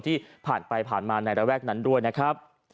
ที่ผ่านไปผ่านมาในระแวกนั้นด้วยนะครับ